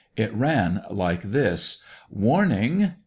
It ran like this: "Warning!